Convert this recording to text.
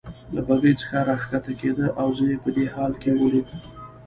له بګۍ څخه راکښته کېده او زه یې په دې حال کې ولید.